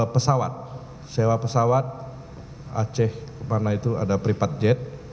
pesawat sewa pesawat aceh kemana itu ada pripat jet